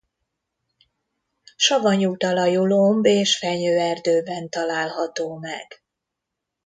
Savanyú talajú lomb- és fenyőerdőben található meg.